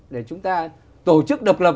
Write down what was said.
để chúng ta tổ chức độc lập